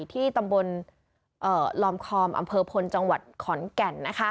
ที่ตำบลลอมคอมอำเภอพลจังหวัดขอนแก่น